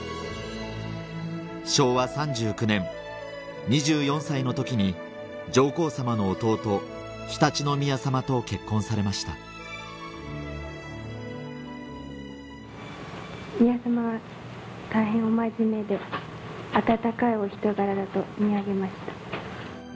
昭和３９年２４歳の時に上皇さまの弟常陸宮さまと結婚されました宮さまは大変お真面目で温かいお人柄だと見上げました。